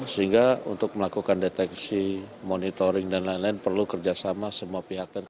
sehingga untuk melakukan deteksi monitoring dan lain lain perlu kerjasama semua pihak